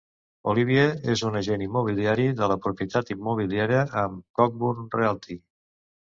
Olivier és un agent immobiliari de la propietat immobiliària amb Cogburn Realty.